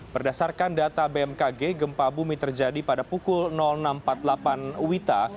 berdasarkan data bmkg gempa bumi terjadi pada pukul enam empat puluh delapan wita